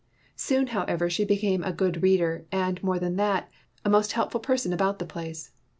Soon however she became a good reader and, more than that, a most helpful person about the place.